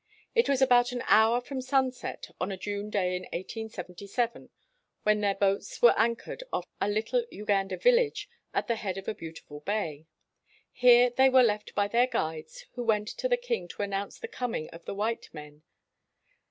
It was about an hour after sunset on a June day in 1877, when their boats were anchored off a little Uganda village at the head of a beautiful bay. Here they were left by their guides who went to the king to announce the coming of the white men.